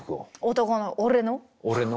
男の俺の。